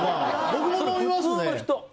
僕も飲みますね。